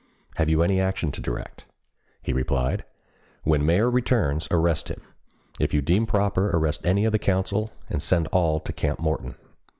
Have you any action to direct?" He replied: "When mayor returns arrest him. If you deem proper arrest any of the council, and send all to Camp Morton.